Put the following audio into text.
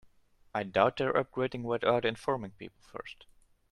I doubt they're upgrading without informing people first.